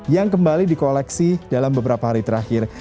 yang kembali di koleksi dalam beberapa hari terakhir